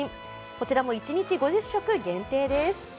こちらも一日５０食限定です。